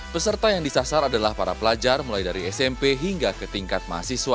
peserta yang disasar adalah para pelajar mulai dari smp hingga ke tingkat mahasiswa